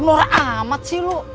nor amat sih lu